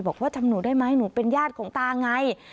บอกว่าทำหนูได้ไหมหนูเป็นญาติของตาไง